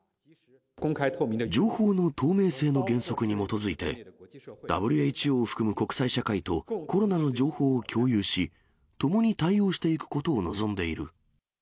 情報の透明性の原則に基づいて、ＷＨＯを含む国際社会と、コロナの情報を共有し、ともに対応していくことを望んでいる。